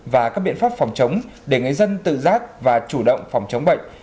và các biện pháp phòng chống để người dân tự giác và chủ động phòng chống bệnh